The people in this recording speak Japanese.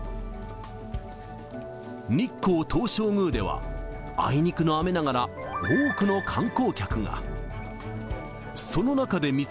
日光東照宮では、あいにくの雨ながら、多くの観光客が。